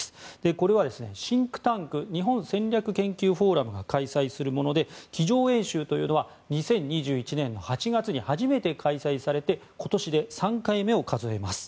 これはシンクタンク日本戦略研究フォーラムが開催するもので机上演習というのは２０２１年の８月に初めて開催されて今年で３回目を数えます。